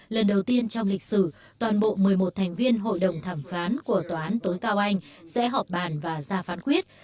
lần đầu tiên trong lịch sử toàn bộ một mươi một thành viên hội đồng thẩm phán của tòa án tối cao anh sẽ họp bàn và ra phán quyết